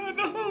ampuni ya allah